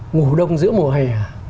ngủ đông giữa mùa hè